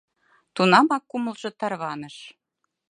— Тунамак кумылжо тарваныш.